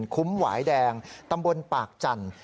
คุ้มหวายแดงตำบลปากจันทร์